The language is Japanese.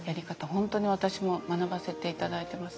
本当に私も学ばせて頂いてます。